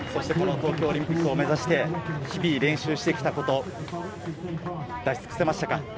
東京オリンピックを目指して日々練習してきたこと、出し尽くせましたか？